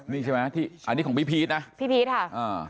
นี่ใช่ไหมที่อันนี้ของพี่พีชนะพี่พีชค่ะ